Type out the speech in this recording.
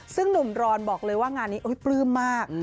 ซึ่งหนุ่มรอนบอกเลยว่างานนี้ปลื้มมาก